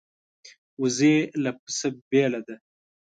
وزې له پسه بېله ده